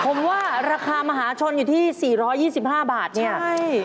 ผมว่าราคามหาชนอยู่ที่๔๒๕บาทเนี่ย